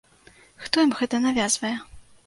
Хто ім гэта навязвае?